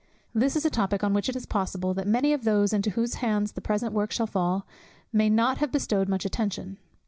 This is a topic on which it is possible that many of those, into whose hands the present work shall fall, may not have bestowed much attention.